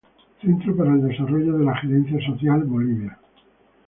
Centro para el desarrollo de la Gerencia Social, Bolivia.